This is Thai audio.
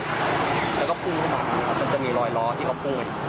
แล้วก็พุ่งขึ้นมามันจะมีรอยล้อที่เขาปูน